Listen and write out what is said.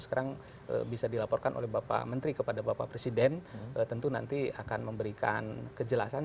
sekarang bisa dilaporkan oleh bapak menteri kepada bapak presiden tentu nanti akan memberikan kejelasan